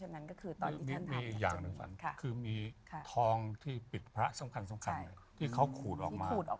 มีอีกอย่างหนึ่งค่ะคือมีทองที่ปิดพระสำคัญเลยที่เขาขูดออกมา